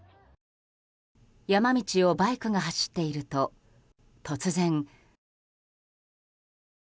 山道をバイクが走っていると突然。